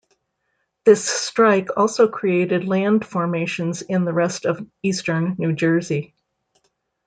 This strike also created land formations in the rest of eastern New Jersey.